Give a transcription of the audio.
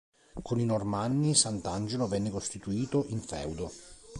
Con i Normanni, Sant'Angelo venne costituito in feudo.